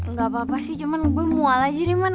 gak apa apa sih cuman gue mual aja nih man